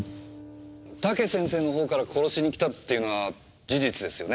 武先生の方から殺しに来たっていうのは事実ですよね。